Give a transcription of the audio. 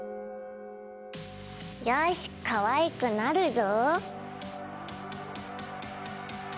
よしかわいくなるぞ！